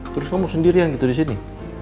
terus kamu mau sendirian gitu di sini